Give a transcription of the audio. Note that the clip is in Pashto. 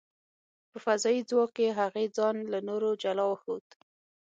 په فضايي ځواک کې، هغې ځان له نورو جلا وښود .